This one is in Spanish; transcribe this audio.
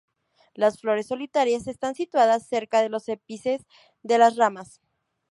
Las flores solitarias están situadas cerca de los ápices de las ramas.